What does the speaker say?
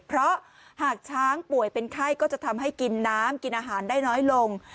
เพราะหากช้างป่วยเป็นไข้ก็จะทำให้กินน้ำกินอาหารได้น้อยลง